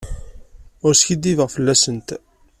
Ur skiddibeɣ fell-asent.